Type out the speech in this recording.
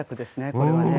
これはね。